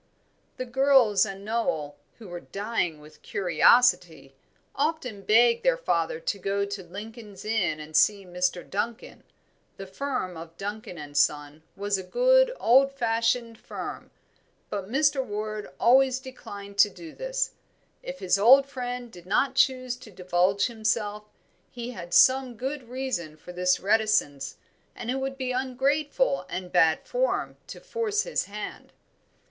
The girls and Noel, who were dying with curiosity, often begged their father to go to Lincoln's Inn and see Mr. Duncan the firm of Duncan & Son was a good old fashioned firm; but Mr. Ward always declined to do this. If his old friend did not choose to divulge himself, he had some good reason for his reticence and it would be ungrateful and bad form to force his hand.